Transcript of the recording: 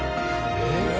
えっ？